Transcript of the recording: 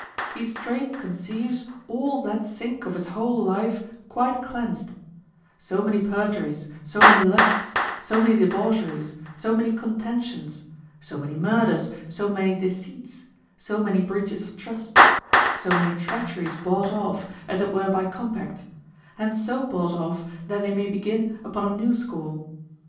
He straight conceives all that sink of his whole life quite cleansed; so many perjuries, so many lusts, so many debaucheries, so many contentions, so many murders, so many deceits, so many breaches of trusts, so many treacheries bought off, as it were by compact; and so bought off that they may begin upon a new score.